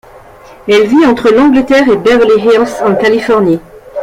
Elle vit entre l'Angleterre et Beverly Hills en Californie.